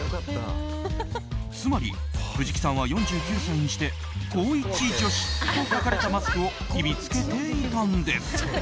つまり藤木さんは、４９歳にして高１女子と書かれたマスクを日々着けていたんです。